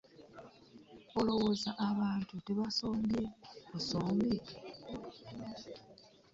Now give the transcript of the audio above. Olowooza abantu tebaabasombye busombi?